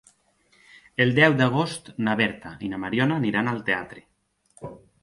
El deu d'agost na Berta i na Mariona aniran al teatre.